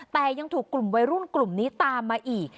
แต่ยังถูกกลุ่มวัยรุ่นกลุ่มนี้ตามมาอีก